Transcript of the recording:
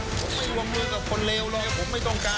ผมไม่วงมือกับคนเลวเลยผมไม่ต้องการ